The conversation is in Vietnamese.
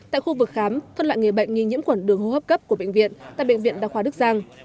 tại khu vực khám phân loại nghề bệnh nghi nhiễm quẩn đường hô hấp cấp của bệnh viện tại bệnh viện đà khoa đức giang